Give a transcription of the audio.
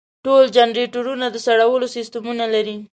ټول جنریټرونه د سړولو سیستمونه لري.